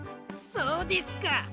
そうですか。